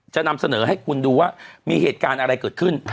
จะนำเสนอให้คุณดูว่ามีเหตุการณ์อะไรเกิดขึ้น